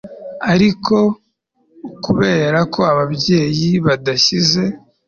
ari ukubera ko ababyeyi badashyize